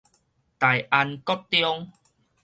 大安國中